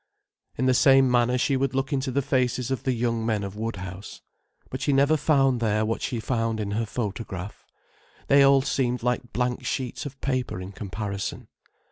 In the same manner she would look into the faces of the young men of Woodhouse. But she never found there what she found in her photograph. They all seemed like blank sheets of paper in comparison.